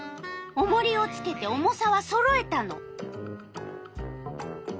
おもりをつけて重さはそろえたの。